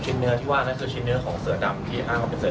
ชิ้นเนื้อที่ว่านั่นคือชิ้นเนื้อของเสือดำ